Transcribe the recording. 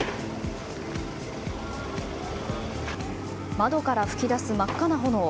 窓から噴き出す真っ赤な炎。